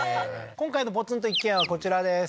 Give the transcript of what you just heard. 今回のポツンと一軒家はこちらです